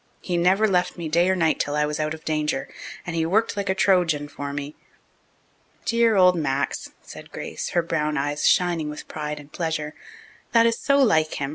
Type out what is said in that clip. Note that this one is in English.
He never left me day or night until I was out of danger, and he worked like a Trojan for me." "Dear old Max," said Grace, her brown eyes shining with pride and pleasure. "That is so like him.